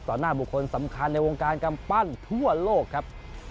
หน้าบุคคลสำคัญในวงการกำปั้นทั่วโลกครับ